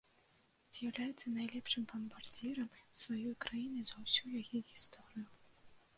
З'яўляецца найлепшым бамбардзірам сваёй краіны за ўсю яе гісторыю.